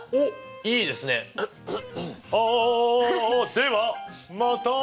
ではまた！